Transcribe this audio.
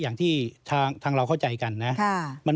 อย่างที่ทางเราเข้าใจกันนะ